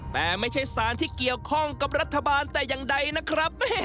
แต่ไม่ใช่สารที่เกี่ยวข้องกับรัฐบาลแต่อย่างใดนะครับ